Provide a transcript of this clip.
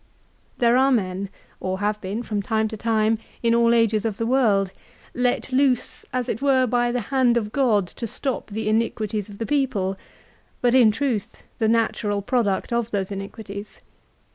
There are men, or have been, from time to time, in all ages of the world, let loose, as it were, by the hand of God to stop the iniquities of the people, but in truth the natural product of those iniquities.